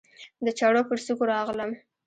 د چړو پر څوکو راغلم